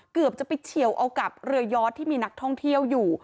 เกือบจะไปเฉียวเอากับเรือยอดที่มีนักท่องเที่ยวอยู่